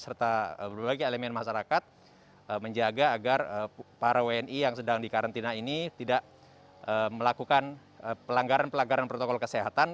serta berbagai elemen masyarakat menjaga agar para wni yang sedang di karantina ini tidak melakukan pelanggaran pelanggaran protokol kesehatan